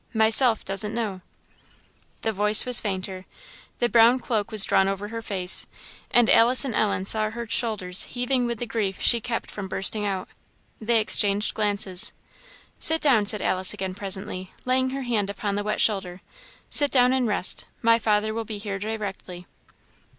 "Myself doesn't know." The voice was fainter; the brown cloak was drawn over her face; and Alice and Ellen saw her shoulders heaving with the grief she kept from bursting out. They exchanged glances. "Sit down," said Alice again presently, laying her hand upon the wet shoulder; "sit down and rest; my father will be here directly.